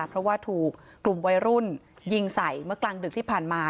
เพราะว่าถูกกลุ่มวัยรุ่นยิงใส่เมื่อกลางดึกที่ผ่านมา